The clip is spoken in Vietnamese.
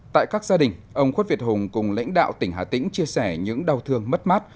tại các gia đình ông khuất việt hùng cùng lãnh đạo tỉnh hà tĩnh chia sẻ những đau thương mất mát